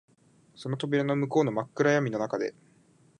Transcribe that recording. その扉の向こうの真っ暗闇の中で、